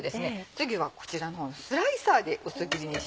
次はこちらのスライサーで薄切りにします。